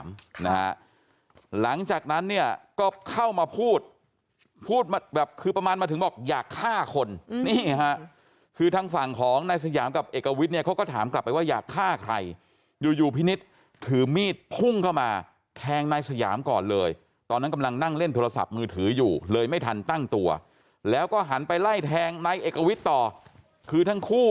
ไม่เคยเป็นมามันก็ไม่มานั่งกินแล้วกินทิบ